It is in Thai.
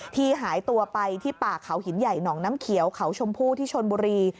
หายตัวไปที่ป่าเขาหินใหญ่หนองน้ำเขียวเขาชมพู่ที่ชนบุรี